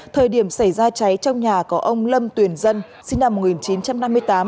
thời điểm xảy ra cháy trong nhà có ông lâm tuyền dân sinh năm một nghìn chín trăm năm mươi tám